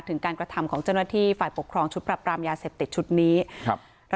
ถึงการกระทำของเจ้าหน้าที่ฝ่ายปกครองชุดปรับปรามยาเสพติดชุดนี้ครับ